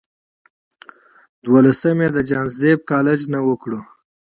دولسم ئې د جهانزيب کالج نه اوکړو